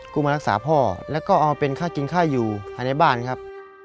มารักษาพ่อแล้วก็เอามาเป็นค่ากินค่าอยู่ภายในบ้านครับ